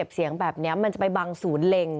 เสียงแบบนี้มันจะไปบังศูนย์เล็ง